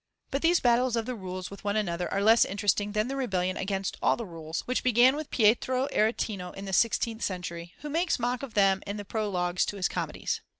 But these battles of the rules with one another are less interesting than the rebellion against all the rules, which began with Pietro Aretino in the sixteenth century, who makes mock of them in the prologues to his comedies.